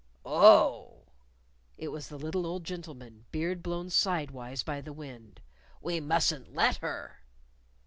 "Oh!" It was the little old gentleman, beard blown sidewise by the wind. "We musn't let her!"